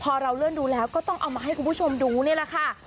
พอเราเลื่อนดูแล้วก็ต้องเอามาให้คุณผู้ชมดูนี่แหละค่ะ